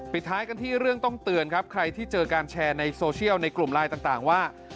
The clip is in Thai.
ท้ายกันที่เรื่องต้องเตือนครับใครที่เจอการแชร์ในโซเชียลในกลุ่มไลน์ต่างว่า